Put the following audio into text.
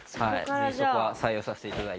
ぜひそこは採用させていただいて。